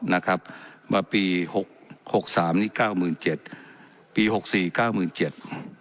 นะครับมาปีหกหกสามนี้เก้าหมื่นเจ็ดปีหกสี่เก้าหมื่นเจ็ด